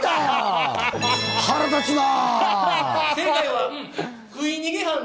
腹立つな。